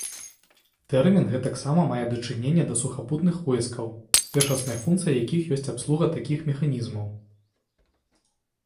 Тэрмін гэтаксама мае дачыненне да сухапутных войскаў, першаснай функцыяй якіх ёсць абслуга такіх механізмаў.